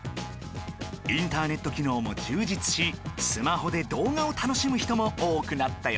インターネット機能も充実しスマホで動画を楽しむ人も多くなったよね